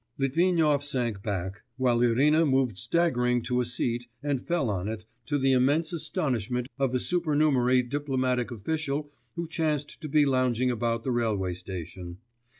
Litvinov sank back, while Irina moved staggering to a seat, and fell on it, to the immense astonishment of a supernumerary diplomatic official who chanced to be lounging about the railway station.